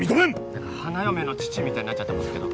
何か花嫁の父みたいになっちゃってますけど。